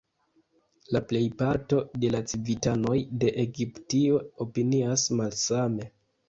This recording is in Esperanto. La plejparto de la civitanoj de Egiptio opinias malsame.